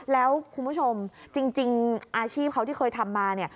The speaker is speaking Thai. แล้วคุณผู้ชมจริงอาชีพเขาที่เคยทำมาเนี่ย